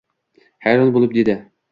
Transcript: Hayron bo‘lib dedi